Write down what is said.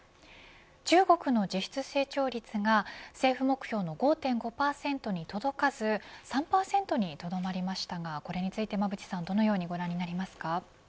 中国の実質成長率が政府目標の５．５％に届かず３％にとどまりましたがこれについて馬渕さんどのようにご覧になりますか。